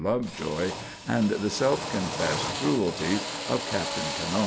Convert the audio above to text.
Lovejoy, and the self confessed cruelties of Captain Canot.